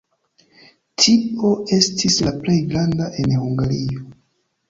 Tio estis la plej granda en Hungario.